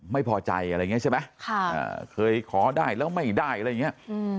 ไม่พอใจอะไรอย่างนี้ใช่ไหมเคยขอได้แล้วไม่ได้อะไรอย่างเงี้ย